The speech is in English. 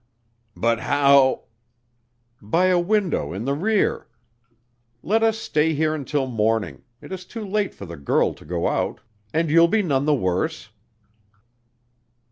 "But how " "By a window in the rear. Let us stay here until morning it is too late for the girl to go out and you'll be none the worse."